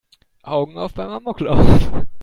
Augen auf beim Amoklauf!